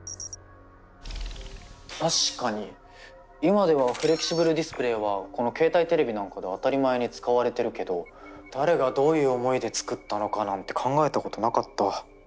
確かに今ではフレキシブルディスプレーはこの携帯テレビなんかで当たり前に使われてるけど誰がどういう思いで作ったのかなんて考えたことなかった。